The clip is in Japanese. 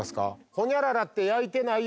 「ホニャララって焼いてないよね」。